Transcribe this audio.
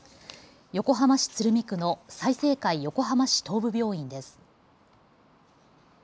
横浜市鶴見区の済生会横浜市東部病院です。